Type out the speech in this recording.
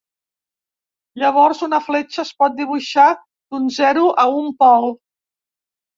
Llavors una fletxa es pot dibuixar d'un zero a un pol.